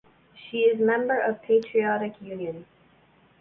She is member of Patriotic Union.